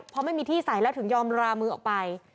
พอไม่มีที่ใส่แล้วถึงยอมรามือออกไป